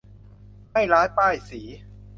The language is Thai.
ให้ร้ายป้ายสี